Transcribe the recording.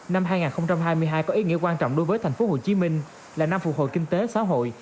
năm hai nghìn hai mươi hai có ý nghĩa quan trọng đối với tp hcm là năm phục hồi kinh tế xã hội